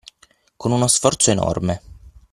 con uno sforzo enorme.